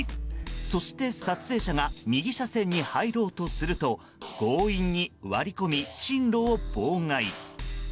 そして撮影者が右車線に入ろうとすると強引に割り込み進路を妨害。